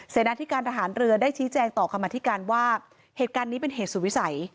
นาธิการทหารเรือได้ชี้แจงต่อคำธิการว่าเหตุการณ์นี้เป็นเหตุสุดวิสัย